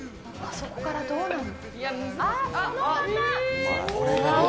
そこからどうなるの？